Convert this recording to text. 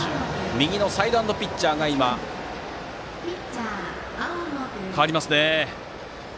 右のサイドハンドピッチャーに代わりますね。